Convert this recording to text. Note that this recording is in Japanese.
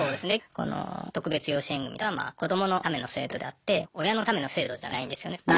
この特別養子縁組とは子どものための制度であって親のための制度じゃないんですよね。